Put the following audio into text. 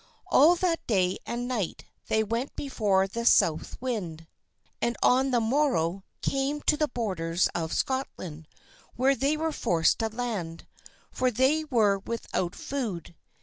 All that day and night they went before the south wind, and on the morrow came to the borders of Scotland where they were forced to land, for they were without food.